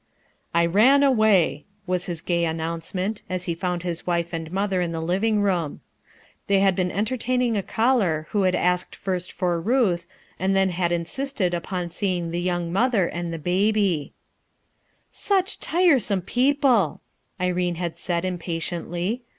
"I ran awayl" was his gay announcement as he found his wife and mother in the living room* They bad been entertaining a caller who had asked first for Ruth, and then had in sisted upon seeing the young mother and the baby "Such tiresome people I" Irene had said impatiently.